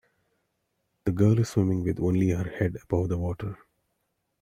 The girl is swimming with only her head above the water.